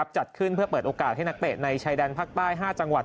จัดขึ้นเพื่อเปิดโอกาสให้นักเตะในชายแดนภาคใต้๕จังหวัด